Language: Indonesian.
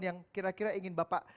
yang kira kira ingin bapak